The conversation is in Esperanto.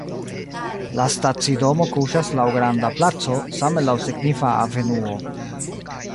La stacidomo kuŝas laŭ granda placo, same laŭ signifa avenuo.